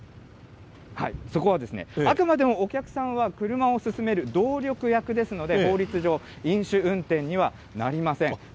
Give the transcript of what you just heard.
そこはあくまでもお客さんは車を進める動力役ですので、法律上、飲酒運転にはなりません。